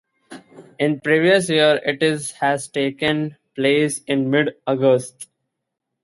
In previous years it has taken place in mid-August.